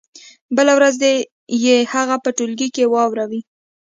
بله ورځ دې يې هغه په ټولګي کې واوروي.